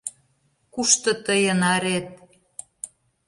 Кушто тыйын арет?